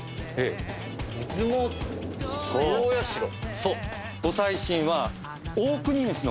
そう。